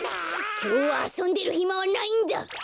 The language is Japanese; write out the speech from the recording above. きょうはあそんでるひまはないんだ。